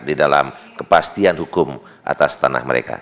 di dalam kepastian hukum atas tanah mereka